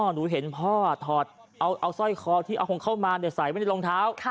หนูเห็นพ่อถอดเอาสร้อยคอที่เอาคงเข้ามาใส่ไว้ในรองเท้า